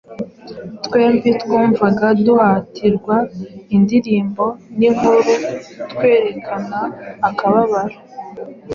Twembi twumvaga duhatirwa indirimbo n'inkuru kwerekana akababaro